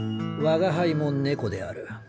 吾輩も猫である。